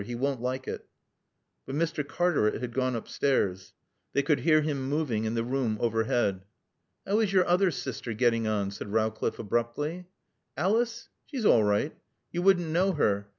He won't like it." But Mr. Cartaret had gone upstairs. They could hear him moving in the room overhead. "How is your other sister getting on?" said Rowcliffe abruptly. "Alice? She's all right. You wouldn't know her.